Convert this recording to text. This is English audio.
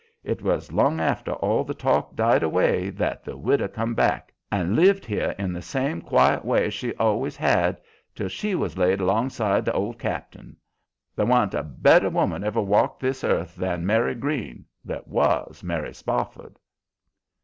It was long after all the talk died away that the widow come back and lived here in the same quiet way she always had, till she was laid alongside the old cap'n. There wan't a better woman ever walked this earth than Mary Green, that was Mary Spofford."